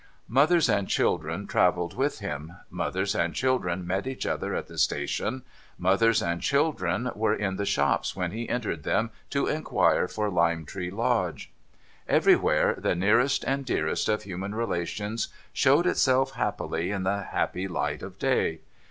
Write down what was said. Mothers and children travelled with him ; mothers and children met each other at the station ; mothers and children were in the shops when he entered them to inquire for Lime Tree Lodge. Everywhere, the nearest and dearest of human relations showed itself happily in the "happy light of day.